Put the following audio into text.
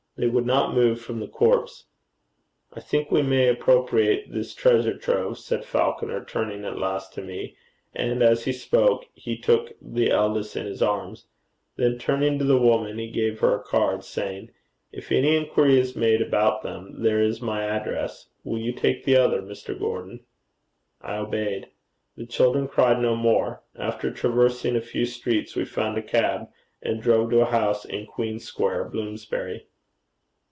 They would not move from the corpse. 'I think we may appropriate this treasure trove,' said Falconer, turning at last to me; and as he spoke, he took the eldest in his arms. Then, turning to the woman, he gave her a card, saying, 'If any inquiry is made about them, there is my address. Will you take the other, Mr. Gordon?' I obeyed. The children cried no more. After traversing a few streets, we found a cab, and drove to a house in Queen Square, Bloomsbury.